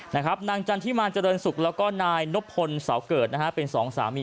นางจันทิมารเจริญศุกร์แล้วก็นายนบพลเสาเกิดนะฮะเป็นสองสามี